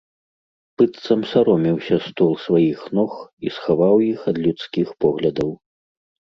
Быццам саромеўся стол сваіх ног і схаваў іх ад людскіх поглядаў.